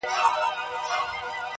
څارنوال ته پلار ویله دروغجنه,